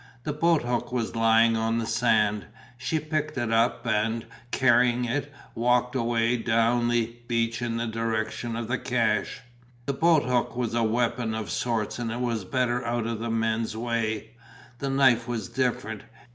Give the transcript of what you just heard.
The boat hook was lying on the sand; she picked it up and, carrying it, walked away down the beach in the direction of the cache. The boat hook was a weapon of sorts and it was better out of the men's way; the knife was different.